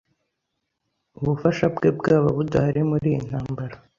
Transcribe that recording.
ubufasha bwe bwaba budahari muri iyi ntambara